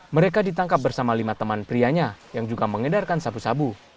mereka ditangkap bersama lima teman prianya yang juga mengedarkan sabu sabu